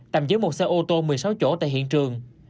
tầm giữa một xe ô tô một mươi sáu chỗ tại hiện trường